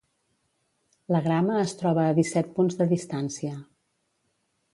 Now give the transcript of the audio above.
La Grama es troba a disset punts de distància.